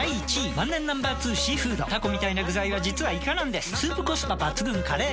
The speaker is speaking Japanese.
万年Ｎｏ．２「シーフード」タコみたいな具材は実はイカなんですスープコスパ抜群「カレー」！